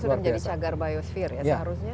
sudah menjadi cagar biosfer ya seharusnya